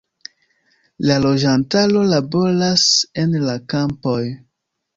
La loĝantaro laboras en la kampoj.